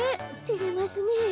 てれますねえ。